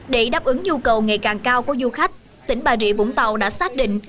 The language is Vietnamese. để đáp ứng nhu cầu ngày càng cao của du khách tỉnh bà rịa vũng tàu đã xác định